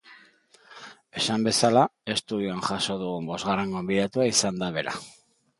Esan bezala, estudioan jaso dugun bosgarren gonbidatua izan da bera.